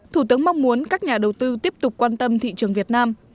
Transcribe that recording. thủ tướng mong muốn các nhà đầu tư tiếp tục quan tâm thị trường việt nam